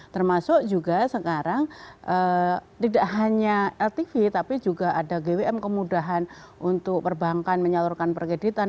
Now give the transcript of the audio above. termasuk juga sekarang tidak hanya ltv tapi juga ada gwm kemudahan untuk perbankan menyalurkan perkreditan